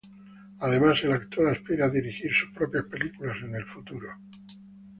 Además, el actor aspira a dirigir sus propias películas en el futuro.